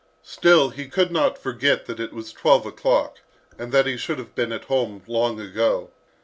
Still, he could not forget that it was twelve o'clock, and that he should have been at home long ago.